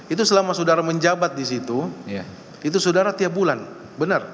itu selama saudara menjabat di situ itu saudara tiap bulan benar